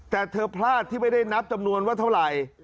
แต่เธอพลาดที่ไม่ได้นับจำนวนว่าเท่าไหร่